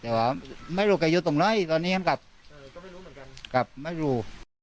แต่ว่าไม่รู้แกอยู่ตรงไหนตอนนี้กันกับกับไม่รู้